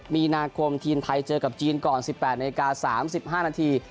มีนาคมทีมไทยเจอกับจีนก่อน๑๘นาที๓๕นาที